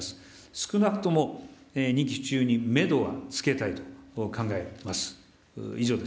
少なくとも任期中にメドはつけたいと考えます。